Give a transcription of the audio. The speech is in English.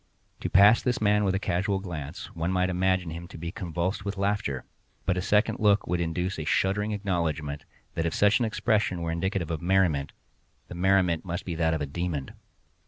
To pass this man with a casual glance, one might imagine him to be convulsed with laughter, but a second look would induce a shuddering acknowledgment, that if such an expression were indicative of merriment, the merriment must be that of a demon.